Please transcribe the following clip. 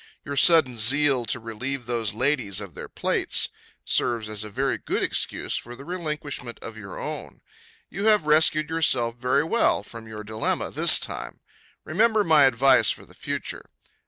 Your sudden zeal to relieve those ladies of their plates serves as a very good excuse for the relinquishment of your own. You have rescued yourself very well from your dilemma this time. Remember my advice for the future.